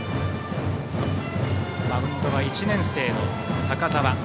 マウンドには１年生の高澤。